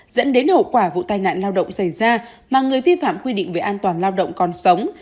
dẫn đến hậu quả vụ tai nạn lao động xảy ra mà người vi phạm quy định về an toàn lao động còn sống